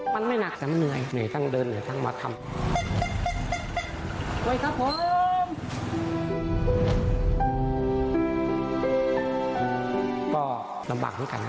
มันไม่หนักแต่มันเหนื่อยเหนื่อยทั้งเดินเหนื่อยทั้งมาทำ